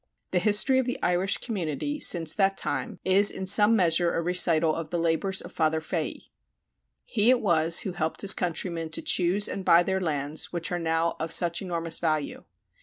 The history of the Irish community since that time is in some measure a recital of the labors of Father Fahy. He it was who helped his countrymen to choose and buy their lands which now are of such enormous value.